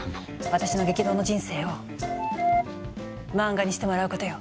私の激動の人生を漫画にしてもらうことよ！